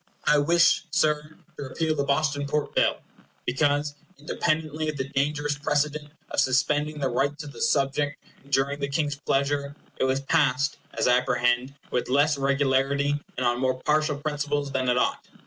I wish, Sir, to repeal the Boston Port Bill, because—independently of the dangerous precedent of suspending the rights of the subject during the King's pleasure—it was passed, as I apprehend, with less regularity and on more partial principles than it ought.